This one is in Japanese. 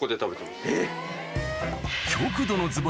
えっ。